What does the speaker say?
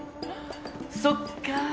そっか。